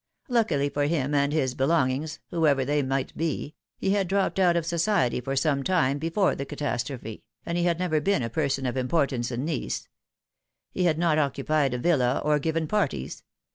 " Luckily for him and his belongings whoever they might be he had dropped out of society for some time before the catastrophe, and he had never been a person of importance in Nice. He had not occupied a villa, or given parties.